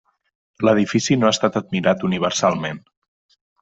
L'edifici no ha estat admirat universalment.